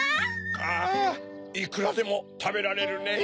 ああいくらでもたべられるねぇ。